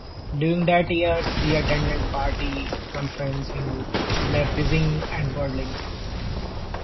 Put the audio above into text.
During that year she attended party conferences in Leipzig and Berlin.